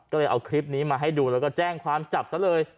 ก็เลยเอาคลิปนี้มาให้ดูแล้วก็แจ้งความจับซะเลย